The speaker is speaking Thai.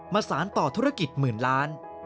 สารต่อธุรกิจหมื่นล้าน